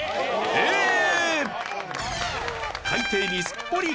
えっ！